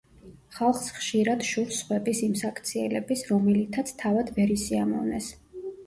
ხალხს ხშირად შურს სხვების იმ საქციელების, რომელითაც თავად ვერ ისიამოვნეს.